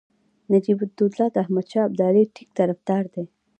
نجیب الدوله د احمدشاه ابدالي ټینګ طرفدار دی.